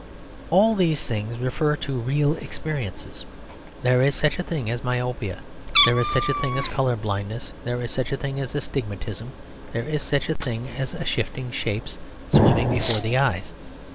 All these things refer to real experiences. There is such a thing as myopia; there is such a thing as colour blindness; there is such a thing as astigmatism; there is such a thing as shifting shapes swimming before the eyes.